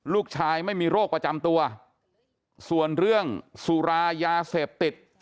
ไม่มีโรคประจำตัวส่วนเรื่องสุรายาเสพติด